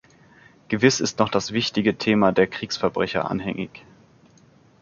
Gewiss ist noch das wichtige Thema der Kriegsverbrecher anhängig.